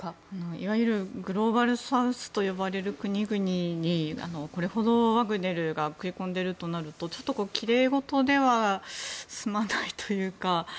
いわゆるグローバルサウスと呼ばれる国々に、これほどワグネルが食い込んでいるとなるとちょっと、きれいごとでは済まないというか。